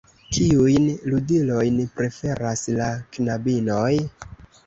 Kiujn ludilojn preferas la knabinoj?